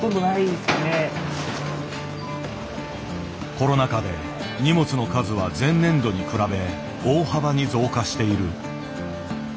コロナ禍で荷物の数は前年度に比べ大幅に増加している。